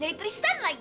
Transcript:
dari tristan lagi